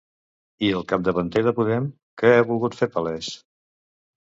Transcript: I el capdavanter de Podem què ha volgut fer palès?